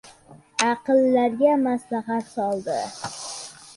Aqllarga maslahat soldi.